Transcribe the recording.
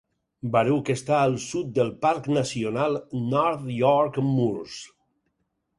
Barugh està al sud del parc nacional North York Moors.